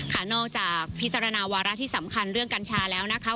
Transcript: นอกจากพิจารณาวาระที่สำคัญเรื่องกัญชาแล้วนะคะ